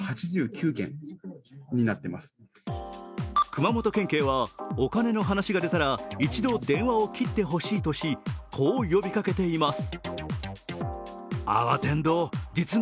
熊本県警はお金の話が出たら一度電話を切ってほしいとしこう、呼びかけています。